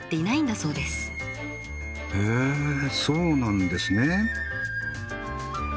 へえそうなんですね。